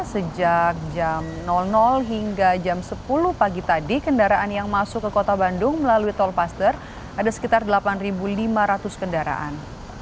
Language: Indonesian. sejak jam hingga jam sepuluh pagi tadi kendaraan yang masuk ke kota bandung melalui tol paster ada sekitar delapan lima ratus kendaraan